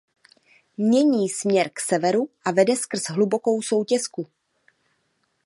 Mění směr k severu a vede skrz hlubokou soutěsku.